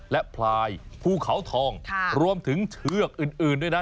และพลายภูเขาทองรวมถึงเชือกอื่นด้วยนะ